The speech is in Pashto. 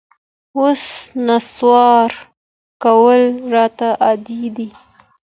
اوس نسوار کول راته عادي دي